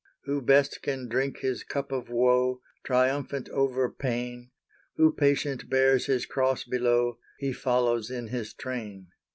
Who best can drink his cup of woe, Triumphant over pain, Who patient bears his cross below— He follows in His train."